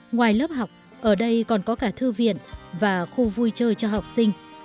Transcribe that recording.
ngoài lớp học ở đây còn có cả thư viện và khu vui chơi cho học sinh